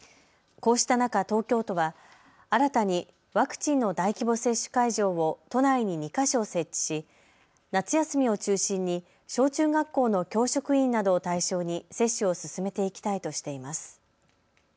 こうした中、東京都は新たにワクチンの大規模接種会場を都内に２か所設置し夏休みを中心に小中学校の教職員などを対象に接種を進めていきたいとしています。